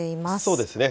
そうですね。